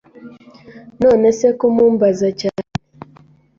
None se ko umumbaza cyane